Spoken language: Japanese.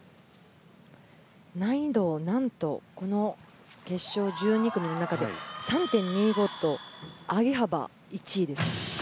難易度、何とこの決勝１２組の中で３．２５と上げ幅１位です。